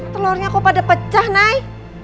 telurnya kok pada pecah naik